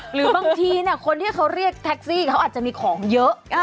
หรือบางทีคนที่เขาเรียกแท็กซี่เขาอาจจะมีของเยอะ